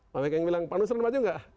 pak mekeng bilang pak nusran maju gak